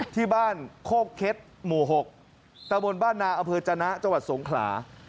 ที่บ้านโคกเค็ดหมู่๖ตะบนบ้านนาอำเภอจนะจังหวัดสงขลา